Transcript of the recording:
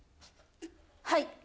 はい。